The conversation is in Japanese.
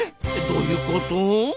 どういうこと？